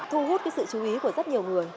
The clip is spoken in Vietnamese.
thu hút cái sự chú ý của rất nhiều người